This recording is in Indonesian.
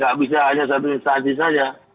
nggak bisa hanya satu instansi saja